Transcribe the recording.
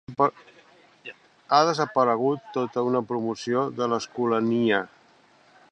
Ha desaparegut tota una promoció de l'Escolania.